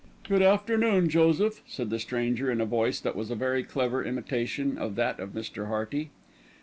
"Good afternoon, Joseph," said the stranger in a voice that was a very clever imitation of that of Mr. Hearty.